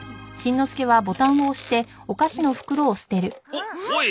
おっおい！